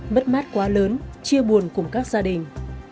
mất mát quá lớn chia buồn cùng các gia đình